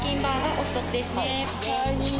お１つですね。